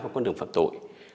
vào con đường phạm tội